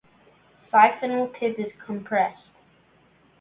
Siphonal tip is compressed.